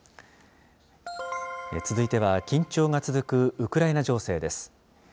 続いては、緊張が続くウクライナ情勢です。